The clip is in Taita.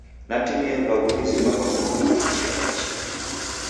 Natimie vaghu vizima va w'oruw'u ichia na ichia.